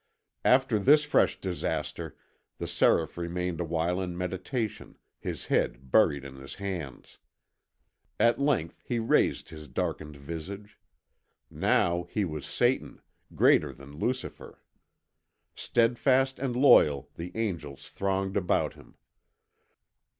After this fresh disaster, the Seraph remained awhile in meditation, his head buried in his hands. At length he raised his darkened visage. Now he was Satan, greater than Lucifer. Steadfast and loyal the angels thronged about him.